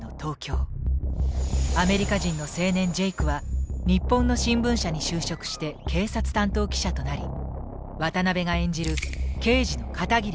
アメリカ人の青年ジェイクは日本の新聞社に就職して警察担当記者となり渡辺が演じる刑事の片桐と出会う。